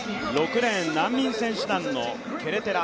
６レーン難民選手団のケレテラ。